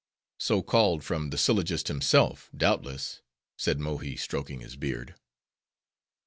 "So called from the syllogist himself, doubtless;" said Mohi, stroking his beard.